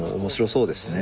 そうですよね。